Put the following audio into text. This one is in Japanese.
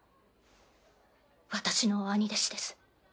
私の兄弟子です。